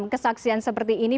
kesaksian seperti ini